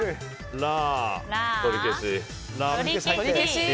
ラー！